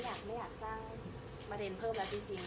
อยากไม่อยากสร้างมะเร็งเพิ่มแล้วจริง